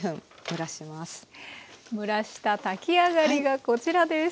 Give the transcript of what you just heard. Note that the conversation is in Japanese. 蒸らした炊き上がりがこちらです。